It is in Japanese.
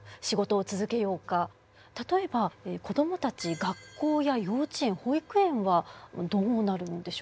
例えば子どもたち学校や幼稚園保育園はどうなるんでしょうか？